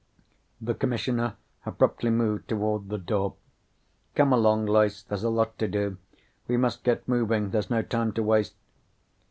The Commissioner abruptly moved toward the door. "Come along, Loyce. There's a lot to do. We must get moving. There's no time to waste."